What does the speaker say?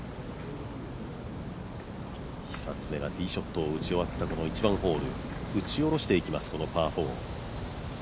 久常がティーショットを打ち終わった１番ホール。打ち下ろしていきます、このパー４。